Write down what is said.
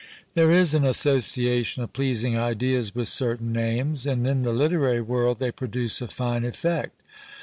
There is an association of pleasing ideas with certain names, and in the literary world they produce a fine effect.